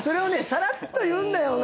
さらっと言うんだよな。